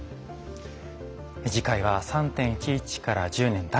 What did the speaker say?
次回は「３．１１から１０年」